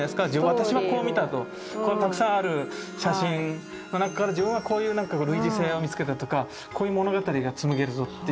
私はこう見たとたくさんある写真の中から自分はこういう類似性を見つけたとかこういう物語が紡げるぞっていう。